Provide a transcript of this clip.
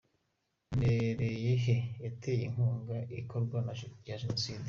Ndereyehe yateye inkunga ikorwa rya Jenoside .